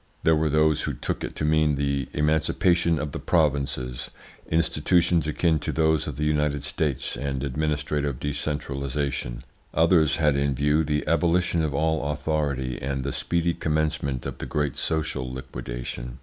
There were those who took it to mean the emancipation of the provinces, institutions akin to those of the United States and administrative decentralisation; others had in view the abolition of all authority and the speedy commencement of the great social liquidation.